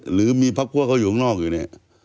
หรือมีพักพวกเขาอยู่ข้างนอกอยู่เนี่ย